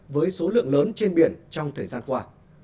với số lượng lớn trên biển trong thời gian qua